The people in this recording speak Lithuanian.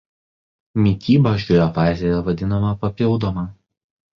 Mityba šioje fazėje vadinama papildoma.